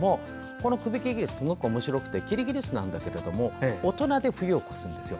このクビキリギスはすごくおもしろくてキリギリスなんだけれども大人で冬を越すんですよ。